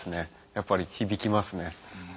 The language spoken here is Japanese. やっぱり響きますね。